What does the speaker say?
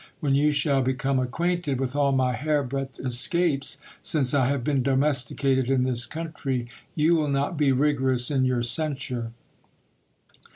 When you shall become acquainted with all my hair breadth escapes, since I have been domesticated in this country, you will not be rigorous in your censure.